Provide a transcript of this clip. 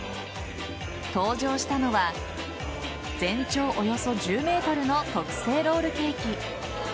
登場したのは全長およそ１０ｍの特製ロールケーキ。